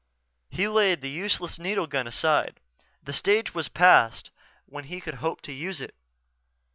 He laid the useless needle gun aside. The stage was past when he could hope to use it.